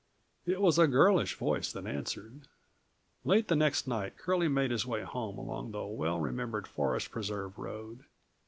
It was a girlish voice that answered. Late the next night Curlie made his way home along the well remembered Forest Preserve road.